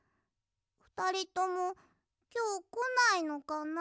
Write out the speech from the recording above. ふたりともきょうこないのかな？